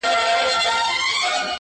چي قاتل هجوم د خلکو وو لیدلی،